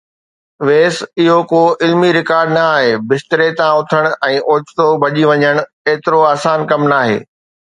ويس، اهو ڪو علمي رڪارڊ نه آهي، بستري تان اٿڻ ۽ اوچتو ڀڄي وڃڻ ايترو آسان ڪم ناهي.